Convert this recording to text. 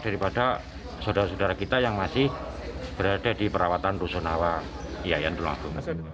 daripada saudara saudara kita yang masih berada di perawatan rusunawa iaen tulung agung